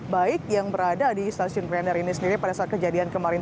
baik yang berada di stasiun brander ini sendiri pada saat kejadian kemarin